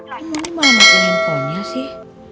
kok mau dimatiin handphonenya sih